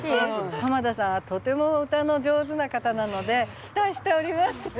濱田さんはとても歌の上手な方なので期待しております。